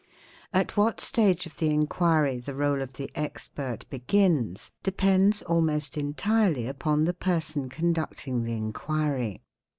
At what stage of the inquiry the réle of the expert begins, depends almost entirely upon the person conducting the inquiry.